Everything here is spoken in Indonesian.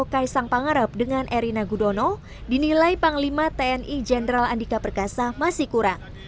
kaisang pangarep dengan erina gudono dinilai panglima tni jenderal andika perkasa masih kurang